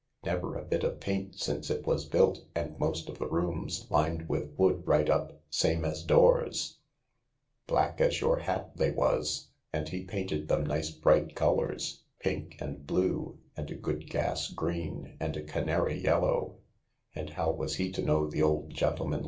Never a bit of paint since it was built J and most of the rooms lined with wood right up — same as doors ; black as your hat they was, and he painted thep nice bright colours — pink and blue, and a good gas green and a canary yellow ; and how was he to know the old gentleman